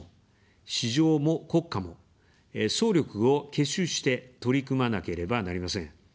「市場も国家も」、総力を結集して取り組まなければなりません。